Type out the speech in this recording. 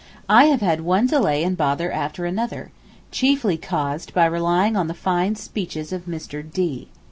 I have had one delay and bother after another, chiefly caused by relying on the fine speeches of Mr. D.